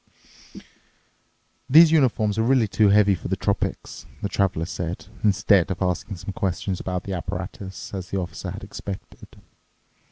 "These uniforms are really too heavy for the tropics," the Traveler said, instead of asking some questions about the apparatus, as the Officer had expected.